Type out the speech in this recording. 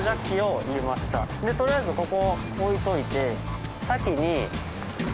とりあえずここ置いといて。